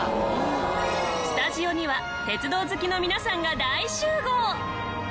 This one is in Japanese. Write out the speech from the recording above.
スタジオには鉄道好きの皆さんが大集合！